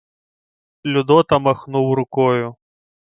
Людота махнув рукою.